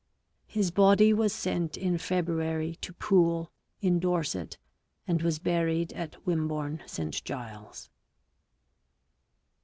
His body was sent in February to Poole, in Dorset, and was buried at Wimborne St Giles.